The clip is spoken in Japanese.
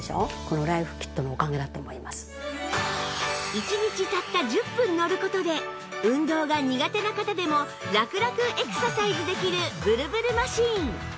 １日たった１０分のる事で運動が苦手な方でもラクラクエクササイズできるブルブルマシン！